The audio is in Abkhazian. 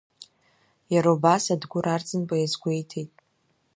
Иара убас, Адгәыр Арӡынба иазгәеиҭеит…